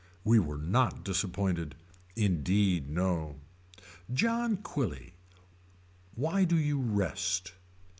We were not disappointed Indeed no. John Quilly. Why do you rest.